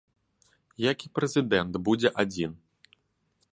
Як і прэзідэнт будзе адзін.